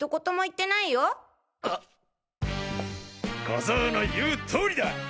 小僧の言うとおりだ！